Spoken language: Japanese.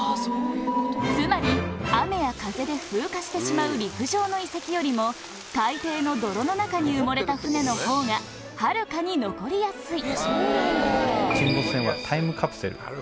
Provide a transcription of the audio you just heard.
つまり雨や風で風化してしまう陸上の遺跡よりも海底の泥の中に埋もれた船のほうがはるかに残りやすいよく言われています。